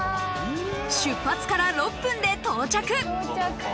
出発から６分で到着到着。